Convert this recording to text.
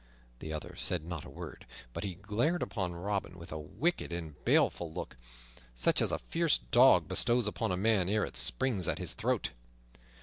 The other said not a word, but he glared upon Robin with a wicked and baleful look, such as a fierce dog bestows upon a man ere it springs at his throat.